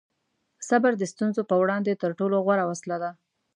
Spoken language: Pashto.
صبر د ستونزو په وړاندې تر ټولو غوره وسله ده.